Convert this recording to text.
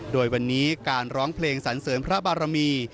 โดยวันนี้การร้องเพลงสันเสริมพระบารมี